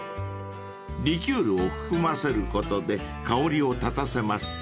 ［リキュールを含ませることで香りを立たせます］